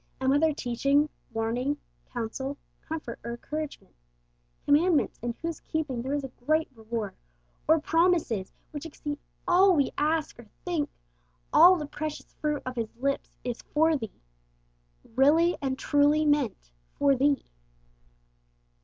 And whether teaching, warning, counsel, comfort, or encouragement, commandments in whose keeping there is a great reward, or promises which exceed all we ask or think all the precious fruit of His lips is 'for thee,' really and truly meant 'for thee.'